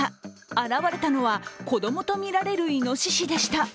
現れたのは、子供とみられるいのししでした。